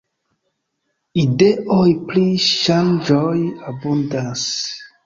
Ideoj pri ŝanĝoj abundas.